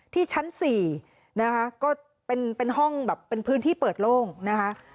ที่ชั้น๔นะคะก็เป็นห้องแบบเป็นพื้นที่เปิดโล่งนะคะ